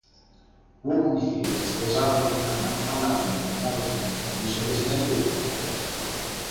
Uomo di fede, sposato con Ivana, ha una figlia, Valentina, vicepresidente del gruppo.